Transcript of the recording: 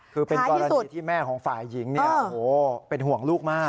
คือเป็นกรณีที่แม่ของฝ่ายหญิงเป็นห่วงลูกมาก